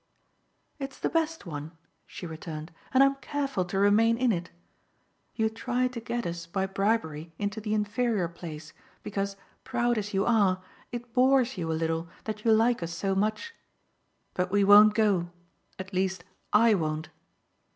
"It's the best one," she returned, "and I'm careful to remain in it. You try to get us, by bribery, into the inferior place, because, proud as you are, it bores you a little that you like us so much. But we won't go at least I won't.